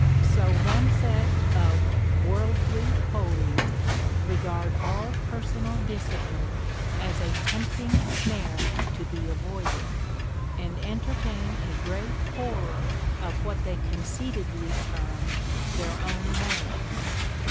So one set of 'worldly holies' regard all personal discipline as a tempting snare to be avoided, and entertain a great horror of what they conceitedly term 'their own merits.'